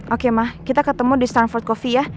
oke mah kita ketemu di stanford coffee ya